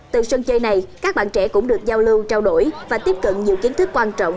từ sân chơi này các bạn trẻ cũng được giao lưu trao đổi và tiếp cận nhiều kiến thức quan trọng